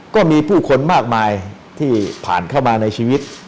ก็มีผู้คนมากมายที่ผ่านเข้ามาในชีวิต